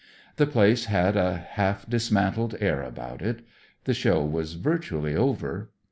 The place had a half dismantled air about it. The Show was virtually over.